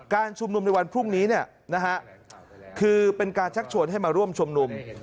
ชุมนุมในวันพรุ่งนี้คือเป็นการชักชวนให้มาร่วมชุมนุม